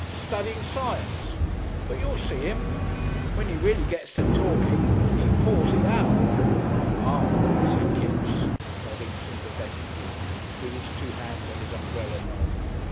Studying science. But you'll see 'im. When he really gets to talking he pours it out." "Ah!" said Kipps, nodding sympathetically, with his two hands on his umbrella knob.